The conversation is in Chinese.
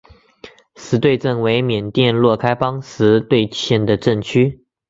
实兑镇为缅甸若开邦实兑县的镇区。